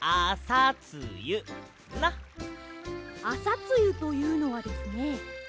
あさつゆというのはですね